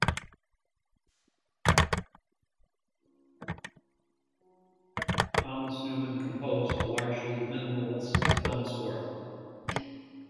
Thomas Newman composed the largely minimalist film score.